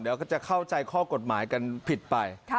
เดี๋ยวก็จะเข้าใจข้อกฎหมายกันผิดไป